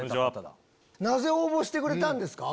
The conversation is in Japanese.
なぜ応募してくれたんですか？